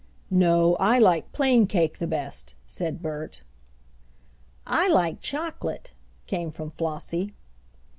"No, I like plain cake the best," said Bert. "I like chocolate," came from Flossie.